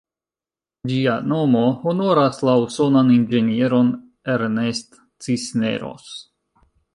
Ĝia nomo honoras la usonan inĝenieron "Ernest Cisneros".